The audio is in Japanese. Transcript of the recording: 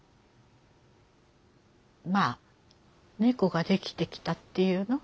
まあ猫ができてきたっていうの？